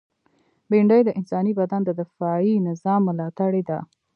بېنډۍ د انساني بدن د دفاعي نظام ملاتړې ده